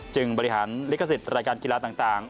บริหารลิขสิทธิ์รายการกีฬาต่าง